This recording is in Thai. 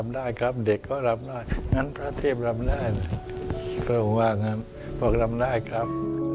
ได้เปล่าหวังครับพรบรรมได้ครับ